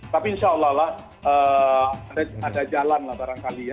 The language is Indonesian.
tapi insya allah ada jalan lah barangkali ya